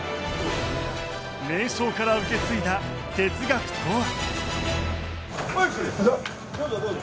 名将から受け継いだ哲学とは。